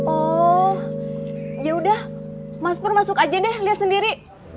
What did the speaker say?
oh yaudah mas pur masuk aja deh lihat sendiri